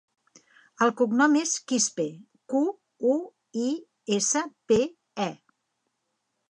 El cognom és Quispe: cu, u, i, essa, pe, e.